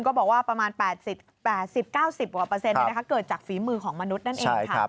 ก็บอกว่าประมาณ๘๐๙๐เกิดจากฝีมือของมนุษย์นั่นเองค่ะ